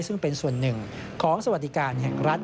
ซึ่งเป็นส่วนหนึ่งของสวัสดิการแห่งรัฐ